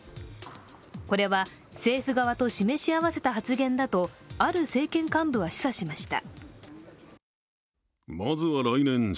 これは政府側と示し合わせた発言だとある政権幹部は示唆しました。